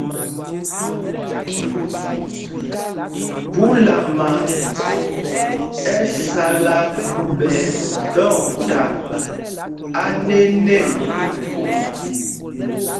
Phúlama ɛ́ sálá ɓɛ̌ ɗɔkta anēnēn.